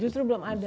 justru belum ada